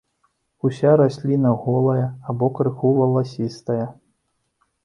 Уся расліна голая або крыху валасістая.